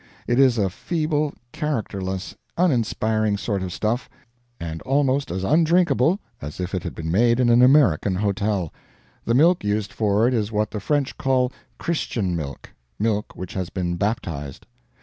It is a feeble, characterless, uninspiring sort of stuff, and almost as undrinkable as if it had been made in an American hotel. The milk used for it is what the French call "Christian" milk milk which has been baptized.